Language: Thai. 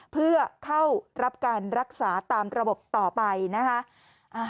เพื่อเข้ารับการรักษาตามระบบต่อไปนะคะ